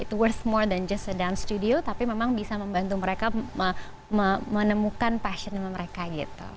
itu lebih berharga dari hanya studio tari tapi memang bisa membantu mereka menemukan passion sama mereka gitu